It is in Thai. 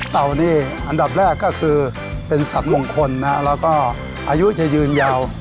นี่อันดับแรกก็คือเป็นสัตว์มงคลนะแล้วก็อายุจะยืนยาว